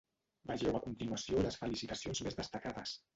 Vegeu a continuació les felicitacions més destacades.